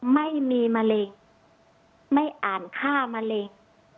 ไม่มีมะเร็งไม่อ่านฆ่ามะเร็ง